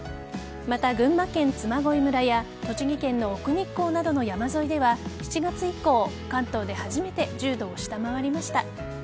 また、群馬県嬬恋村や栃木県の奥日光などの山沿いでは７月以降、関東で初めて１０度を下回りました。